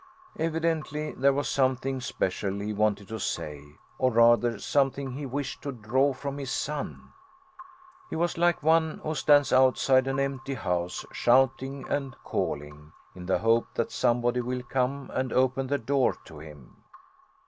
Evidently there was something special he wanted to say, or rather something he wished to draw from his son. He was like one who stands outside an empty house shouting and calling, in the hope that somebody will come and open the door to him.